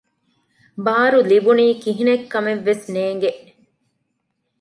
ބާރު ލިބުނީ ކިހިނެތް ކަމެއް ވެސް ނޭނގެ